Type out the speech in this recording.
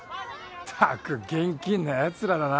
ったく現金なやつらだな。